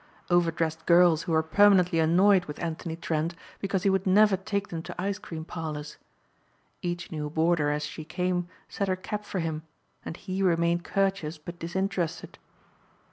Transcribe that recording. Overdressed girls who were permanently annoyed with Anthony Trent because he would never take them to ice cream parlors. Each new boarder as she came set her cap for him and he remained courteous but disinterested.